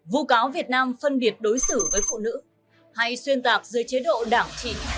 vụ cáo việt nam phân biệt đối xử với phụ nữ hay xuyên tạc dưới chế độ đảng chỉ